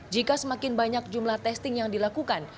jika semakin banyak jumlah testing yang dilakukan